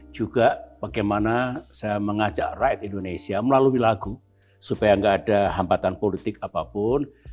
juga bagaimana saya mengajak rakyat indonesia melalui lagu supaya nggak ada hambatan politik apapun